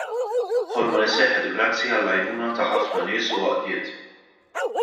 Ħolma li seħħet grazzi għall-għajnuna ta' ħafna nies u għaqdiet.